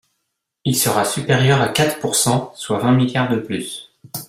Il sera supérieur à quatre pourcent, soit vingt milliards de plus.